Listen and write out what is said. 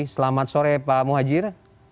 selamat sore pak muhajir